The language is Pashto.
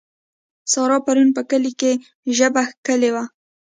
سارا پرون په کلي کې ژبه کښلې وه.